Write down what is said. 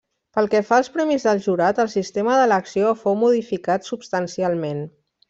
Pel que fa als premis del jurat, el sistema d'elecció fou modificat substancialment.